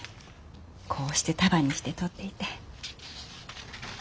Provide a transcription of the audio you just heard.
こうして束にして取っていて。